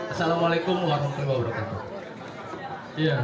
assalamualaikum warahmatullahi wabarakatuh